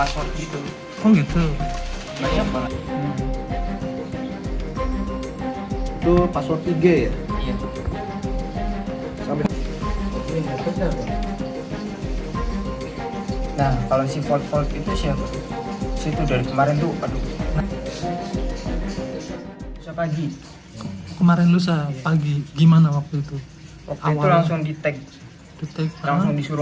siapa lagi kemarin lusa pagi gimana waktu itu aku langsung di tag langsung disuruh